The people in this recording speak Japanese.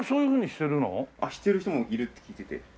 してる人もいるって聞いてて。